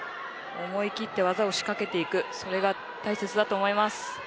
思い切って技を仕掛けていくそれが大切です。